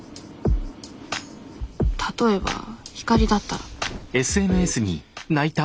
例えば光莉だったら。